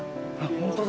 ホントだ。